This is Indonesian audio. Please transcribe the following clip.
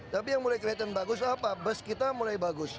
tapi yang mulai kelihatan bagus apa bus kita mulai bagus